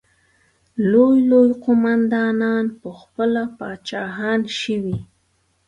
لوی لوی قوماندانان پخپله پاچاهان شوي.